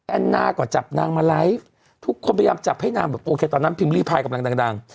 น่าก็จับนางมาไลฟ์ทุกคนพยายามจับให้นางแบบโอเคตอนนั้นพิมพ์รีพายกำลังดัง